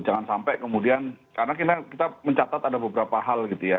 jangan sampai kemudian karena kita mencatat ada beberapa hal gitu ya